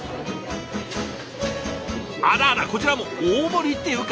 あららこちらも大盛りっていうか